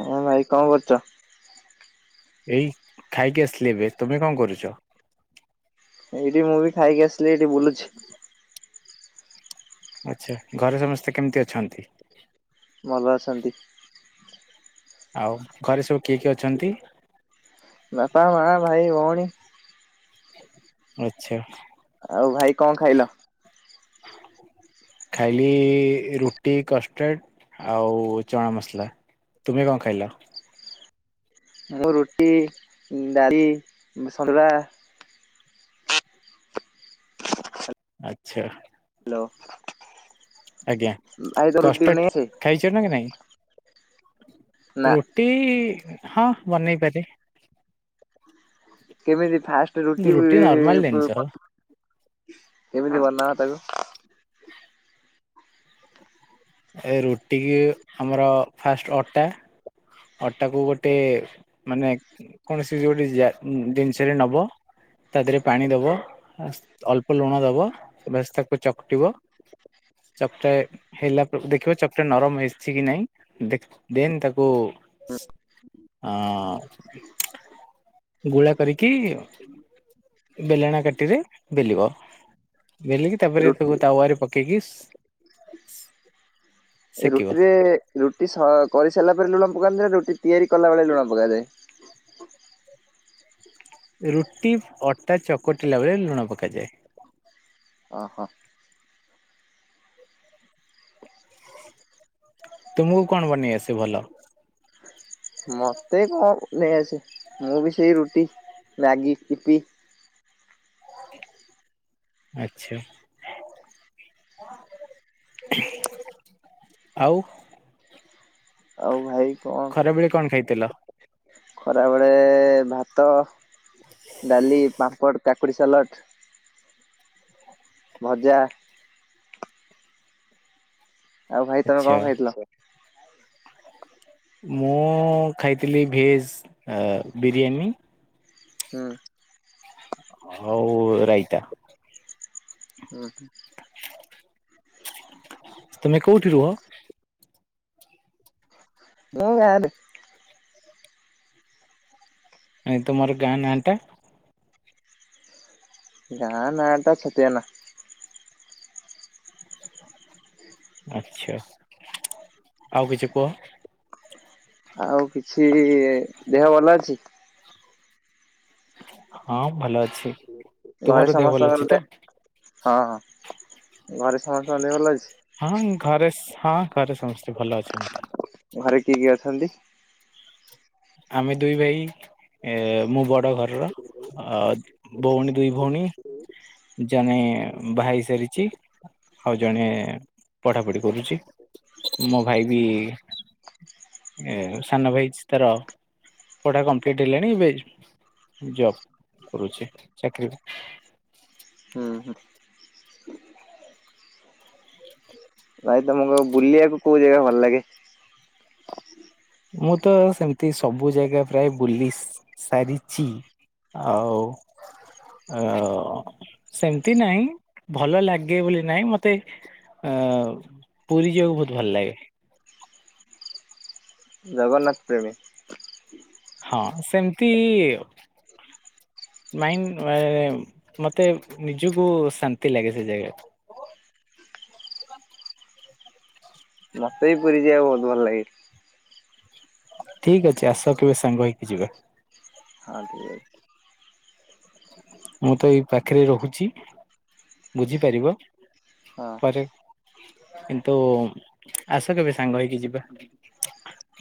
ହଁ ଭାଇ କଣ କରୁଚ? ଏଇ ଖାଇକି ଆସିଲି ଏବେ ତମେ କଣ କରୁଚ? ଏଇଠି ମୁଁ ବି ଖାଇକି ଆସିଲି ଏଇଠି ବୁଲୁଛି। ଆଚ୍ଛା ଘରେ ସମସ୍ତେ କେମିତି ଅଛନ୍ତି। ଭଲ ଅଛନ୍ତି। ଆଉ ଘରେ ସବୁ କିଏ କିଏ ଅଛନ୍ତି? ବାପା ମା ଭାଇ ଭଉଣୀ ଆଚ୍ଛା ଆଉ ଭାଇ କଣ ଖାଇଲ? ଖାଇଲି ରୁଟି କଷ୍ଟଡ୍ ଆଉ ଚଣା ମସଲା। ତୁମେ କଣ ଖାଇଲ? ମୁଁ ରୁଟି ଡାଲି ସଲରା। ଆଚ୍ଛା। ହ୍ୟାଲୋ। ଆଜ୍ଞା ବନେଇ କଷ୍ଟଡ୍ ଆସେ? ଖାଇଛ ନା କି ନାଇଁ! ନା ରୁଟି ହଁ ବନେଇ ପାରେ। କେମିତି ଫାଷ୍ଟ ରୁଟି ହୁଏ ନର୍ମାଲ ଜିନିଷ [unintelligible] କେମିତି ବନାଅ ତାକୁ? ଏ ରୁଟି କି ଆମର ଫାଷ୍ଟ ଅଟା ଅଟାକୁ ଗୋଟେ ମାନେ କୌଣସି ବି ଗୋଟେଜା ଗୋଟେ ଜିନିଷରେ ନବ। ତା ଦେହରେ ପାଣି ଦବ ଅଳ୍ପ ଲୁଣ ଦବ ବାସ୍ ତାକୁ ଚକୁଟିବ। ଚକଟା ହେଲା ପରେ ଦେଖିବ ଚକଟା ନରମ ହେଇସିଛି କି ନାଇଁ ଦେକ୍ ଦେନ୍ ତାକୁ [unintelligible] ଆଁ ଗୁଳା କରିକି ବେଲଣା କାଟିରେ ବେଲିବ ବେଲିକି ତାପରେ ରୁଟି ତାକୁ ତାୱରେ ପ କେଗିସ୍ ରୁଟିରେ ରୁଟି ଶ୍ କରି ସାରିଲା ପରେ ଲୁଣ ପକାନ୍ତିନା ରୁଟି ତିଆରି କଲାବେଳେ ଲୁଣ ପକାଯାଏ। ରୁଟି ଅଟା ଚକଟିଲା ବେଳେ ଲୁଣ ପକାଯାଏ। ଓ ହୋ। ତୁମକୁ କଣ ବନେଇ ଆସେ ଭଲ? ମତେ କଣ ନେଇ ଆସେ ମୁଁ ବି ସେଇ ରୁଟି, ମ୍ୟାଗି, ଇପି। ଆଚ୍ଛା। ଆଉ। ଆଉ ଭାଇ। କଣ ଖରାବେଳେ କଣ ଖାଇଥିଲ? ଖରାବେଳେ ଭାତ, ଡାଲି ପାମ୍ପଡ଼ କାକୁଡ଼ି ସାଲଟ୍, ଭଜା। ଆଉ ଭାଇ ତମେ ଆଚ୍ଛା କଣ ଖାଇଥିଲ? ମୁଁ ଖାଇଥିଲି ଭେଜ ଆ ବିରିୟାନୀ। ହୁଁ। ଆଉ ରାଇତା। ହୁଁ ହୁ। ତମେ କୋଉଠି ରୁହ? ମୁଁ ଗାଁ ରେ। ନ ତୁମର ଗାଁ ନା ଟା? ଗାଁ ନାଟା ଛତିଆନା। ଆଚ୍ଛା ଆଉ କିଛି କୁହ। ଆଉ କିଛି ଦେହ ଭଲ ଅଛି। ହଁ ଭଲ ଅଛି ଘରେ ତୁମର ଦେହ ଭଲ ସମସ୍ତଙ୍କର ଅଛି ଦେ ତ? ହଁ ହଁ ଘରେ ସମସ୍ତଙ୍କ ଦେହ ଭଲ ଅଛି? ହଁ ଘରେ ସ ହଁ ଘରେ ସମସ୍ତେ ଭଲ ଅଛନ୍ତି। ଘରେ କିଏ କିଏ ଅଛନ୍ତି? ଆମେ ଦୁଇ ଭାଇ ମୁଁ ବଡ଼ ଘର ର ଆଉ ଭଉଣୀ ଦୁଇ ଭଉଣୀ ଜଣେ ଭାଇ ସାରି ଛି ଆଉ ଜଣେ ପଢ଼ା ପଢ଼ି କରୁଛି ମୋ ଭାଇ ବି ଏ ସାନ ଭାଇଛି ତାର ପଢ଼ା କମ୍ପ୍ଲିଟ ହେଲାଣି ଏବେ ଜବ କରୁଛି ଚାକିରି ହୁଁ ହୁଁ। ଭାଇ ତମକୁ ବୁଲିବାକୁ କୋଉ ଜାଗା ଭଲ ଲାଗେ? ମୁଁ ତ ସେମିତି ସବୁ ଜାଗା ପ୍ରାୟ ବୁଲି ସା ସାରିଚି। ଆଉ। ଅ ସେମତି ନାଇଁ ଭଲ ଲାଗେ ବୋଲି ନାଇଁ ମତେ ଅ ପୁରୀ ଯିବାକୁ ବହୁତ ଭଲ ଲାଗେ। ଜଗନ୍ନାଥ ପ୍ରେମୀ। ହଁ ସେମିତି। ମାଇ ଅଁ ମତେ ନିଜକୁ ଶାନ୍ତି ଲାଗେ ସେ ଜାଗାରେ। [inaudible] ମୋତେ ବି ପୁରି ଯିବାକୁ ବହୁତ ଭଲ ଲାଗେ। ଠିକ ଅଛି ଆସ କେବେ ସାଙ୍ଗ ହେଇକି ଯିବା। ହଁ ଠିକ ଅଛି। ମୁଁ ତ ଏଇ ପାଖରେ ରହୁଛି ବୁଝିପାରିବ। ହଁ। ପରେ କିନ୍ତୁ ଆସ କେବେ? ସାଙ୍ଗ ହେଇକି ଯିବା।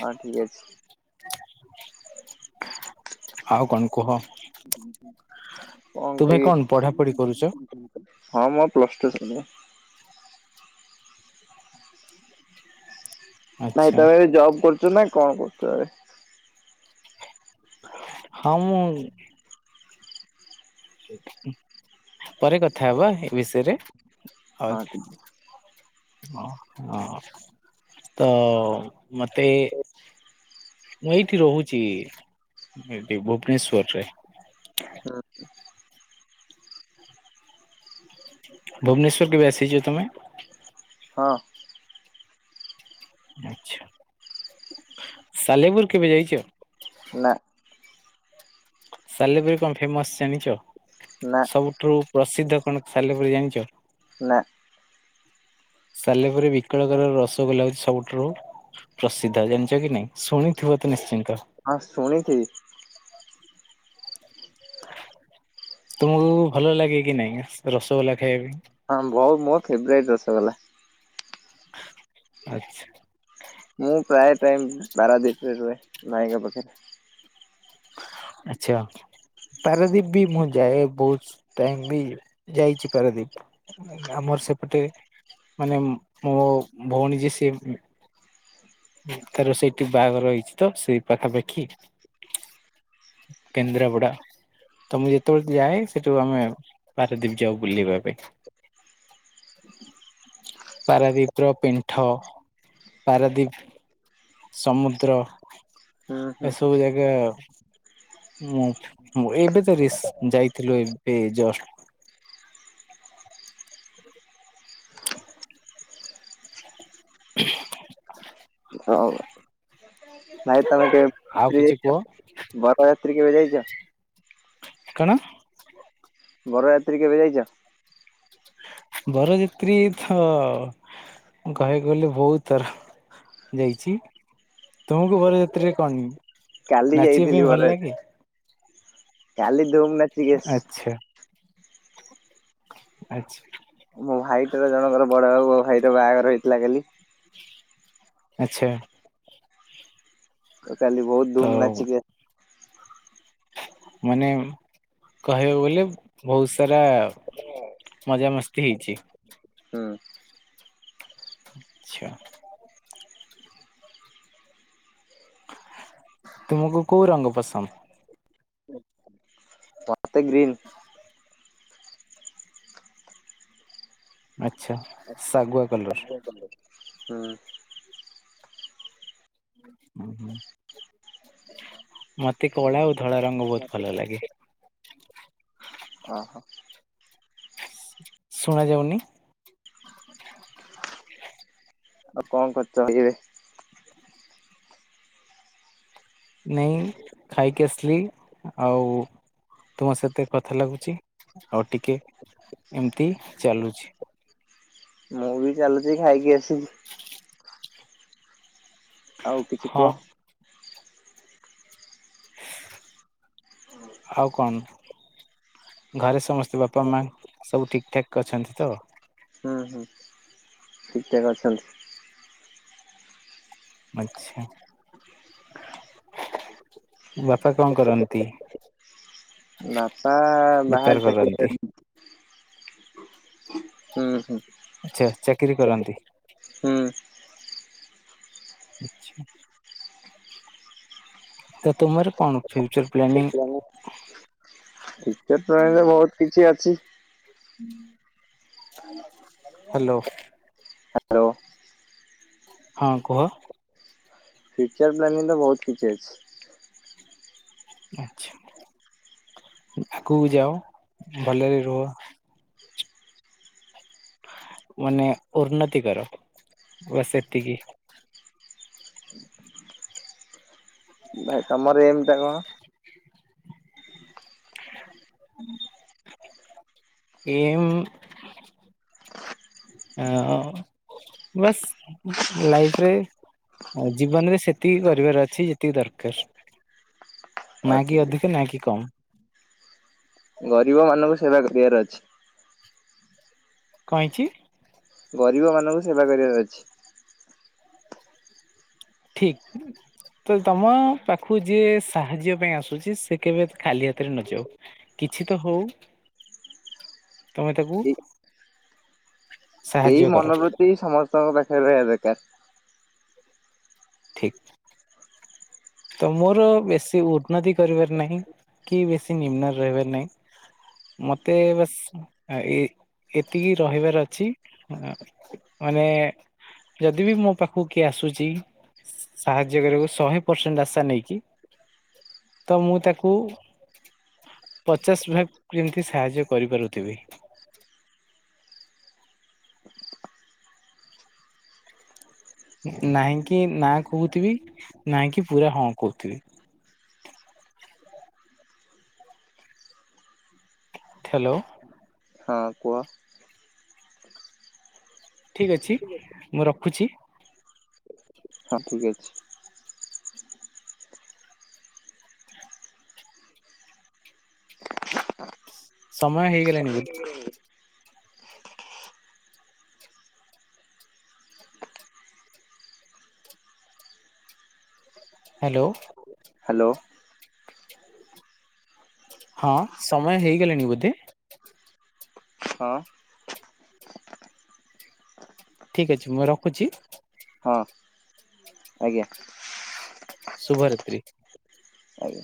ହଁ ଠିକ ଅଛି ଆଉ କଣ କୁହ? ହୁଁ ହଁ ହୁଁ। କଣ ତୁମେ ପଢାପଢି କରୁଛ? କହିମି ହଁ ମୋ ପ୍ଲସ ଟୁ ସଇଲା [inaudible] ନାଇଁ ଆଚ୍ଛା ତମେ ଏ ଜବ୍ କରୁଛ ନା କଣ କରୁଚ ଏବେ? ହଁ ମୁଁ ପରେ କଥା ହବା ଏ ବିଷୟରେ ହଁ ଠିକ୍। ହ ହଁ ତ ମତେ ମୁଁ ଏଇଠି ରହୁଛି। ଏଠି ଭୁବନେଶ୍ୱରରେ। ଆ। ଭୁବନେଶ୍ଵର କେବେ ଆସିଛ ତମେ? ହଁ। ଆଛା ସାଲେପୁର କେବେ ଯାଇଛ? ନା। ସାଲେପୁରୀ କଣ ଫେମସ ଜାଣିଛ? ନା ସବୁଠୁ ପ୍ରସିଦ୍ଧ କଣ ସାଲେପୁରୀ ଜାଣିଛ? ନା। ସାଲେପୁର ବିକଳକର ରସଗୋଲା ହଉଛି ସବୁଠାରୁ ପ୍ରସିଦ୍ଧ ଜାଣିଛ କି ନାଇଁ ଶୁଣିଥିବ ତ ନିଶ୍ଚିନ୍ତ। ହଁ ଶୁଣିଥିବି। ତୁମକୁ ଭଲ ଲାଗେ କି ନାଇଁ ରସଗୋଲା ଖାଇବା ପାଇଁ। ହଁ ବଉ ମୋ ଫେବରାଇଟ୍ ରସଗଲା। ଆଚ୍ଛା। ମୁଁ ପ୍ରାୟ ଟାଇମ୍ ପାରାଦ୍ୱୀପ ରେ ରୁହେ ମାଇଁଙ୍କ ପାଖରେ। ଆଚ୍ଛା। ପାରାଦ୍ୱୀପ ବି ମୁଁ ଯାଏ। ବହୁତ ଟାଇମ ବି ଯାଇଛି ପାରାଦ୍ୱୀପ। ଆମର ସେପଟେ ମାନେ ମୋ ଭଉଣୀ ଯେ ସିଏ ତାର ସେଇଠି ବାହାଘର ରହିଛି ତ ସେଇ ପାଖାପାଖି। କେନ୍ଦ୍ରାପଡା। ତମେ ଯେତେବେଳେ ଯାଏ ସେଠୁ ଆମେ ପାରାଦ୍ୱୀପ ଯାଉ ବୁଲିବା ପାଇଁ। ପାରାଦୀପ ର ପିଣ୍ଠ ପାରାଦୀପ୍। ସମୁଦ୍ର ହୁଁ ହୁଁ ଏସବୁ ଜାଗା। ଉ ଏବେ ତ ରିସ୍ ଯାଇଥିଲୁ ଏବେ ଜଷ୍ଟ୍। [inaudible] [inaudible] ନାଇଁ ତମେ କେ ଆଉ କିଛି କୁହ। ବାରଯାତ୍ରୀ କେବେ ଯାଇଛ? କଣ? ବରଯାତ୍ରୀ କେବେ ଯାଇଛ? ବରଯିତ୍ରୀ ତ କହିବାକୁ ଗଲେ ବହୁତ ଥର। ଯାଇଛି ତୁମକୁ ବରଯାତ୍ରୀରେ କଣ କାଲି ନାଚିବା ଯାଇଥିଲି ପାଇଁ ଭଲ ବରଯାତ୍ରୀ ଲାଗେ। କାଲି ଧୁମ୍ ନାଚିକି ଆସିଛି। ଆଛା। ମୋ ଭାଇଟାର ଜଣଙ୍କର ବଡ ବାବୁ ଭାଇର ବାହାଘର ହେଇଥିଲା କାଲି। ଆଚ୍ଛା। ତ କାଲି ବହୁତ ତ ଧୁମ୍ ନାଚିଲେ। ମାନେ କହିବାକୁ ବୋଲେ ବହୁତ ସାରା ମଜା ମସ୍ତି ହେଇଛି। ହୁଁ ଆଛା। ତମକୁ କୋଉ ରଙ୍ଗ ପସନ୍ଦ? ମତେ ଗ୍ରୀନ୍। ଆଛା ଶାଗୁଆ କଲର। ହୁଁ। ହୁଁ ହୁଁ। ମତେ କଳା ଆଉ ଧଳା ରଙ୍ଗ ବହୁତ ଭଲ ଲାଗେ। ଓହୋ ଶୁଣାଯାଉନି। ଆଉ କଣ କରୁଛ ଏଇବେ ନାଇଁ ଖାଇକି ଆସିଲି ଆଉ ତୁମ ସତ କଥା ଲାଗୁଛି ଆଉ ଟିକେ ଏମତି ଚାଲୁଛି ମୁଁ ବି ଚାଲୁଛି ଖାଇକି ଆସିଛିି ଆଉ କିଛି ହଁ କୁହ ଆଉ କଣ? ଘରେ ସମସ୍ତେ ବାପା ମା ସବୁ ଠିକ ଠାକ୍ ଅଛନ୍ତି ତ? ହୁ ହୁଁ ଠିକ ଠାକ୍ ଅଛନ୍ତି ଆଛା ବାପା କଣ କରନ୍ତି। ବାପା ବେପାର ବାହାରେ ଚାକିରି କରନ୍ତି କରି। ହୁଁ ହୁଁ। ଚା- ଚାକିରୀ କରନ୍ତି। ଛ୍୍ ତ ତୁମର କଣ ଫ୍ୟୁଚର ପ୍ଲାନିଂ। ଟିକେଟ ଟଣୀରେ ବହୁତ କିଛି ଅଛି। ହାଲୋ। ହାଲୋ ହଁ କୁହ। ଫ୍ୟୁଚର୍ ପ୍ଲାନିଂ ତ ବହୁତ କିଛି ଅଛି। ଆଛା ଆଗକୁ ଯାଅ ଭଲରେ ରୁହ। ମାନେ ଉନ୍ନତି କର ବସ୍ ଏତିକି ଭାଇ ତମର ଏମ ଟା କଣ? ହଁ ଏମ୍ ହ ବାସ୍ ଲାଇଫରେ ଆଉ ଜୀବନରେ ସେତିକି କରିବାର ଅଛି ଯେତିକି ଦରକାର ଅ ନାଆ କି ଠିକ ଅଧିକ ନାଆ କି କମ୍। ଗରିବ ମାନଙ୍କୁ ସେବା କରିବାର ଅଛି। କଇଁଚି। ଗରିବ ମାନଙ୍କୁ ସେବା କରିବାର ଅଛି। ଠିକ୍। ତ ତମ ପାଖକୁ ଯିଏ ସାହାଯ୍ୟ ପାଇଁ ଆସୁଛି ସେ କେବେ ଖାଲି ହାତରେ ନଯାଉ କି କିଛି ତ ହଉ। [inaudible] ତମେ ତାକୁ ଏଇ ଏଇ ସାହାଯ୍ୟ କର ମନୋବୃତ୍ତି ସମସ୍ତଙ୍କ ପାଖରେ ରହିବା ଦରକାର୍। ଠିକ ତ ମୋର ବେଶୀ ଉନ୍ନତି କରିବାର ନାହିଁ। କି ବେଶୀ ନିମ୍ନରେ ରହିବାର ନାଇଁ ମତେ ବାସ ଆ ଏ ଏତିକି ରହିବାର ଅଛି ମାନେ। ଯଦି ବି ମୋ ପାଖକୁ କିଏ ଆସୁଛି। ସାହାଯ୍ୟ କରିବାକୁ ଶହେ ପର୍ସେଣ୍ଟ ଆସା ନେଇକି ତ ମୁଁ ତାକୁ ପଚାଶ ଭାଗ କେମିତି ସାହାଯ୍ୟ କରିପାରୁଥିବି। ନାହିଁ କିି ନା କହୁଥିବି ନାହିଁ କିି ପୁରା ହଁ କହୁଥିବି। [inaudible] ହେଲୋ। ହଁ କୁହ। ଠିକ ଅଛି ମୁଁ ରଖୁଛି। ହଁ ଠିକ୍ ଅଛି। ସମୟ ହଇଗଲା ନୀ ବୋଧେ? ହ୍ୟାଲୋ। ହ୍ୟାଲୋ। ହଁ ସମୟ ହେଇଗଲେଣି ବୋଧେ? ହଁ। ଠିକ ଅଛି ମୁଁ ରଖୁଛି। ହଁ ଆଜ୍ଞା। ସୁୁଭରାତ୍ରୀ। ଆଜ୍ଞା।